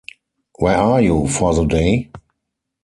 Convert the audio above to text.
Where are you for the day?